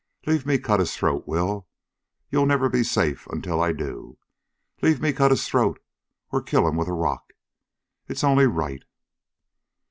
Leave me cut his throat, Will! Ye'll never be safe ontel I do. Leave me cut his throat er kill him with a rock. Hit's only right."